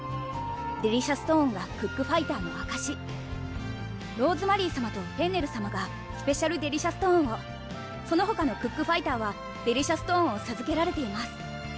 デリシャストーンがクックファイターのあかしローズマリーさまとフェンネルさまがスペシャルデリシャストーンをそのほかのクックファイターはデリシャストーンをさずけられています